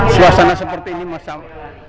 suasana seperti ini masalahnya